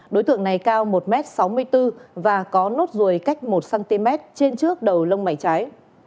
đối tượng này cao một m sáu mươi bốn và có nốt ruồi cách một cm trên trước đầu lông mảy trái